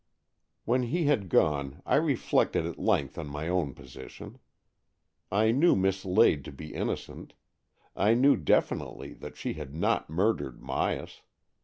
When he had gone, I reflected at length' on my own position. I knew Miss Lade to be innocent. I knew definitely that she had not murdered Myas.